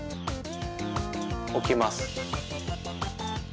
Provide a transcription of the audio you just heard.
おきます。